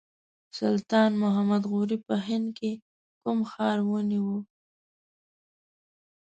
سلطان محمد غوري په هند کې کوم ښار ونیو.